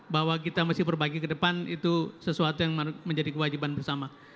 bahwa kita mesti berbagi ke depan itu sesuatu yang menjadi kewajiban bersama